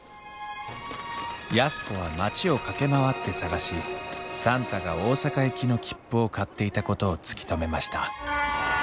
安子は町を駆け回って捜し算太が大阪行きの切符を買っていたことを突き止めました。